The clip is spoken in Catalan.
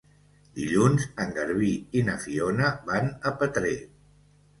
Dilluns en Garbí i na Fiona van a Petrer.